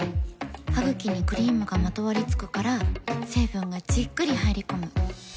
ハグキにクリームがまとわりつくから成分がじっくり入り込む。